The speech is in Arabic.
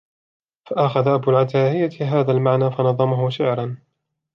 فَأَخَذَ أَبُو الْعَتَاهِيَةِ هَذَا الْمَعْنَى فَنَظَمَهُ شَعْرًا